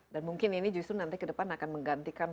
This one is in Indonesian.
dan mungkin ini justru nanti kedepan akan menggantikan